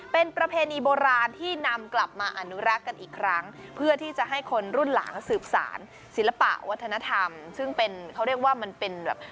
เป็นประเพณีโบราณที่นำกลับมาอนุรักษ์กันอีกครั้งเพื่อที่จะให้คนรุ่นหลังสืบสารศิลปะวัฒนธรรมซึ่งเป็นเขาเรียกว่ามันเป็นแบบ